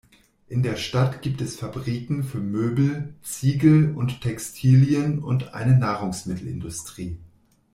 In der Stadt gibt es Fabriken für Möbel, Ziegel und Textilien und eine Nahrungsmittelindustrie.